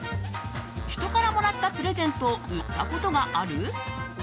人からもらったプレゼントを売ったことがある？